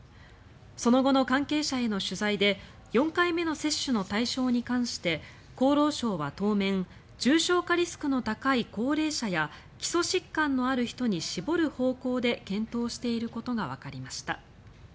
その後の関係者への取材で４回目の接種の対象に関して厚労省は当面重症化リスクの高い高齢者や基礎疾患のある人に絞る方向で検討していることがわかりました。